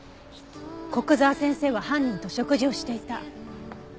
古久沢先生は犯人と食事をしていた。